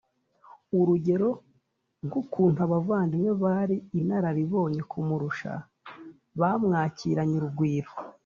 urugero nk ukuntu abavandimwe bari inararibonye kumurusha bamwakiranye urugwiro